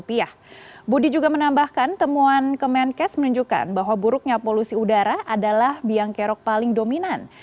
kesehatan budi gunadisadikin mengatakan bahwa buruknya polusi udara adalah biang kerok paling dominan